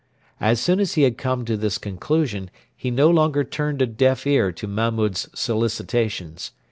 As soon as he had come to this conclusion, he no longer turned a deaf ear to Mahmud's solicitations.